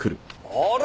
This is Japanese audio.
あれ！